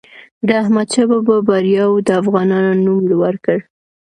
د احمدشاه بابا بریاوو د افغانانو نوم لوړ کړ.